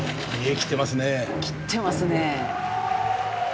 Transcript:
切ってますね。